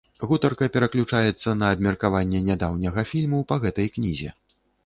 Гутарка пераключаецца на абмеркаванне нядаўняга фільму па гэтай кнізе.